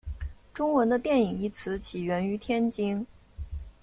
中文的电影一词起源于天津。